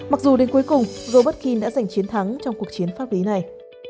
mặc dù đến cuối cùng robert kinn đã giành chiến thắng trong cuộc chiến pháp lý này